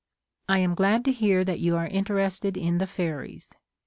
I am glad to hear that you are in terested in the fairies.